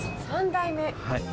３代目。